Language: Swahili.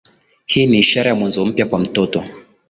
Hii ni ishara ya mwanzo mpya kwa mtoto